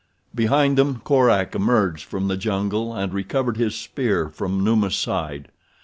Behind them Korak emerged from the jungle and recovered his spear from Numa's side.